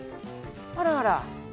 あらあら。